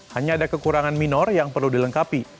hanya ada kekurangan minor yang perlu dilengkapi